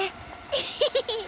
エヘヘヘ。